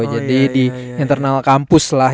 jadi di internal kampus lah